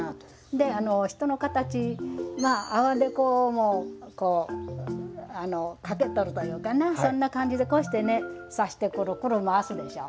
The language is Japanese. で人の形阿波木偶も掛けとるというかなそんな感じでこうしてね刺してクルクル回すでしょう。